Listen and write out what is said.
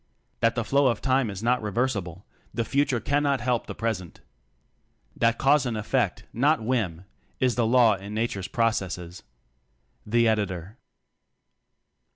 That the flow of time is not reversible the future cannot help the present. That cause and effect, not whim, is the law in nature's pro cesses. Editor.